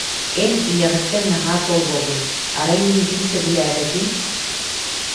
Эн ийэҕиттэн наһаа толлобун, арай, миигин сөбүлээбэтин